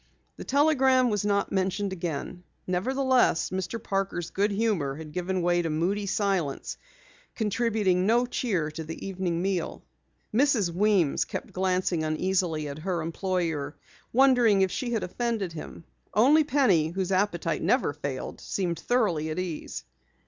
The telegram was not mentioned again. Nevertheless, Mr. Parker's good humor had given way to moody silence, contributing no cheer to the evening meal. Mrs. Weems kept glancing uneasily at her employer, wondering if she had offended him. Only Penny, whose appetite never failed, seemed thoroughly at ease.